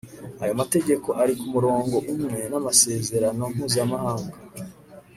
ayo mategeko ari ku murongo umwe n'amasezerano mpuzamahanga